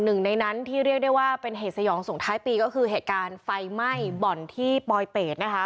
หนึ่งในนั้นที่เรียกได้ว่าเป็นเหตุสยองส่งท้ายปีก็คือเหตุการณ์ไฟไหม้บ่อนที่ปลอยเป็ดนะคะ